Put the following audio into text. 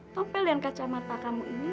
topel dan kacamata kamu ini